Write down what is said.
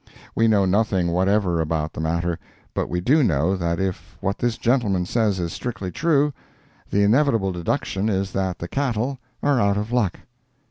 We know nothing what ever about the matter, but we do know that if what this gentleman says is strictly true, the inevitable deduction is that the cattle are out of luck.